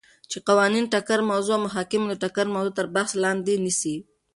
چی قوانینو ټکر موضوع او محاکمو د ټکر موضوع تر بحث لاندی نیسی ،